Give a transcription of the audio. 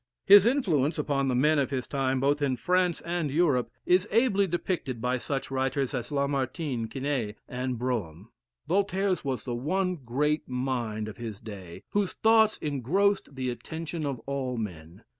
His influence upon the men of his time, both in France and Europe, is ably depicted by such writers as Lamartine, Quinet, and Brougham. Voltaire's was the one great mind of his day, whose thoughts engrossed the attention of all men.